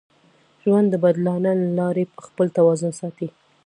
ژوند د بدلانه له لارې خپل توازن ساتي.